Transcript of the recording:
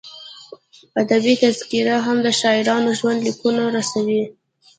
ادبي تذکرې هم د شاعرانو ژوندلیکونه رسوي.